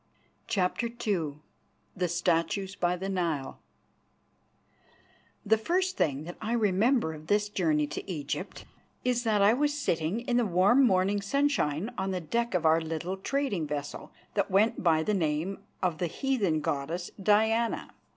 CHAPTER II THE STATUES BY THE NILE The first thing that I remember of this journey to Egypt is that I was sitting in the warm morning sunshine on the deck of our little trading vessel, that went by the name of the heathen goddess, Diana.